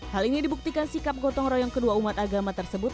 hal ini dibuktikan sikap gotong royong kedua umat agama tersebut